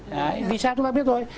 đấy vì sao chúng ta biết thôi